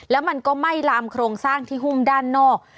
แล้วมันก็ไหม้ลามโครงสร้างที่หุ้มด้านนอก